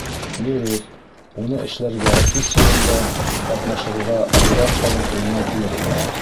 Дөрөҫ, уны эшләргә, һис юғында, ҡатнашырға олигархтарҙың ҡулынан килер ине.